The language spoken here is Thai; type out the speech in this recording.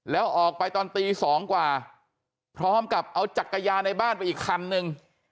แล้วออกไปตอนตี๒กว่าพร้อมกับเอาจักรยานในบ้านไปอีกคันนึง